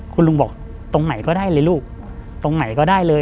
คุณลุงบอกตรงไหนก็ได้เลยลูกตรงไหนก็ได้เลย